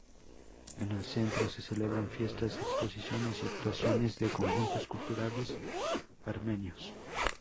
En el centro se celebran fiestas, exposiciones y actuaciones de conjuntos culturales armenios.